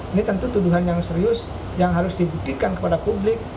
ini tentu tuduhan yang serius yang harus dibuktikan kepada publik